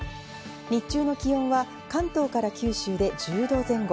日中の気温は関東から九州で１０度前後。